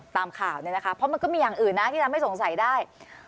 ตามข่าวเนี่ยนะคะเพราะมันก็มีอย่างอื่นนะที่ทำให้สงสัยได้